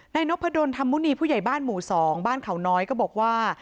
นพดลธรรมมุณีผู้ใหญ่บ้านหมู่๒บ้านเขาน้อยก็บอกว่า